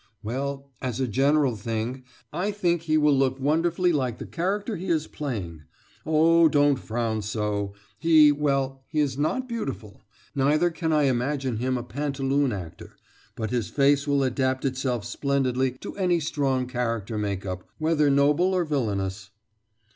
"Well, as a general thing, I think he will look wonderfully like the character he is playing. Oh, don't frown so! He well, he is not beautiful, neither can I imagine him a pantaloon actor, but his face will adapt itself splendidly to any strong character make up, whether noble or villainous."